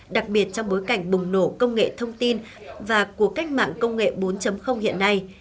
đặc biệt trong bối cảnh bùng nổ công nghệ thông tin và cuộc cách mạng công nghệ bốn hiện nay